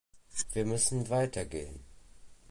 Wir müssen weiter gehen.